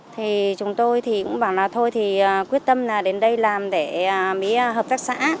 thì chúng tôi thì cũng bảo là thôi thì quyết tâm là đến đây làm để mới hợp tác xã